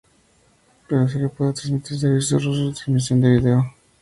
El usuario puede transmitir servicios rusos de transmisión de video.